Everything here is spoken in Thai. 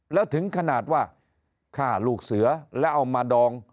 แล้วถึงขนาดว่าฆ่าลูกเสือแล้วเอามาดอง